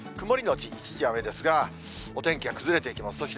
曇り後一時雨ですが、お天気は崩れていきます。